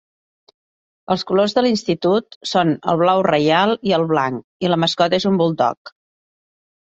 Els colors de l'institut són el blau reial i el blanc i la mascota és un buldog.